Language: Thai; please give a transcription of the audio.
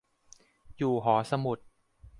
อยู่หอสมุด